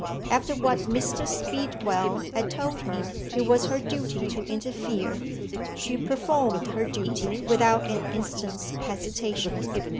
After what Mr. Speedwell had told her, it was her duty to interfere. She performed her duty, without an instant's hesitation.